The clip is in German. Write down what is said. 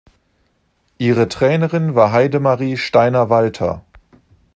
Ihre Trainerin war Heidemarie Steiner-Walther.